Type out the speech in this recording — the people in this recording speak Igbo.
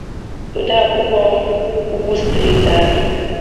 odeakwụkwọ ukwu steeti ahụ